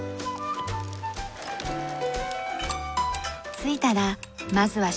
着いたらまずは食事。